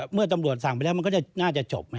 เมื่อตำรวจสั่งไปแล้วมันก็น่าจะจบนะ